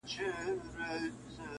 د غمونو سوي چیغي تر غوږونو نه رسیږي -